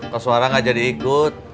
kos warang tidak jadi ikut